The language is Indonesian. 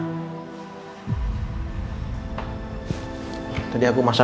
ibu seperti semua itu bisa